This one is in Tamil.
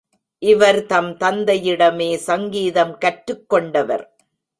இவர் தம் தந்தையிடமே சங்கீதம் கற்றுக் கொண்டவர்.